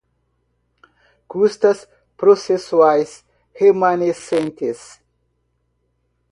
custas processuais remanescentes